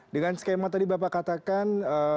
dengan skema tadi bapak katakan